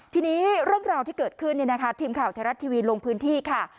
ทีนี้เรื่องราวที่เกิดขึ้นทีมข่าวไทยรัฐทีวีลงพื้นที่ค่ะ